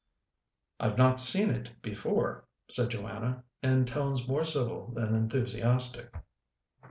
"I've not seen it before," said Joanna, in tones more civil than enthusiastic.